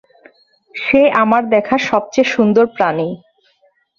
সে আমার দেখা সবচেয়ে সুন্দর প্রাণী!